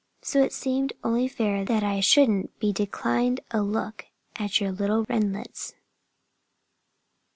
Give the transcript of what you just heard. So it seems only fair that I shouldn't be denied a look at your little wrenlets."